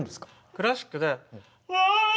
クラシックで。